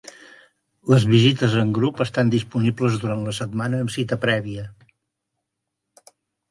Les visites en grup estan disponibles durant la setmana amb cita prèvia.